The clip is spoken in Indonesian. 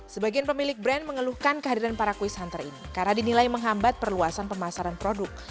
sebagian pemilik brand mengeluhkan kehadiran para kuis hunter ini karena dinilai menghambat perluasan pemasaran produk